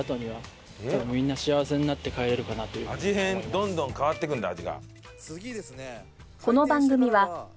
変どんどん変わっていくんだ味が。